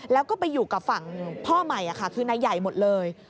แล้วก็ไปอยู่กับฝั่งพ่อใหม่คือนายใหญ่หมดเลย